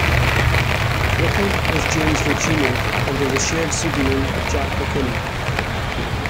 Written with James Luceno under the shared pseudonym of Jack McKinney.